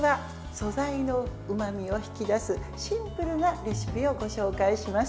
素材のうまみを引き出すシンプルなレシピをご紹介します。